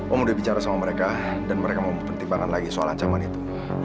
om udah bicara sama mereka dan mereka mau mempertimbangkan lagi soal ancaman itu